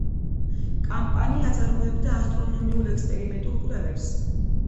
კამპანი აწარმოებდა ასტრონომიულ ექსპერიმენტულ კვლევებს.